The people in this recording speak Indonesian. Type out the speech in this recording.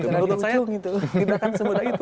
menurut saya tidak akan semudah itu